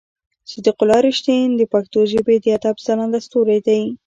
صديق الله رښتين د پښتو ژبې د ادب ځلانده ستوری دی.